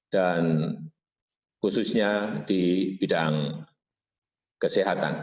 dan khususnya di bidang kesehatan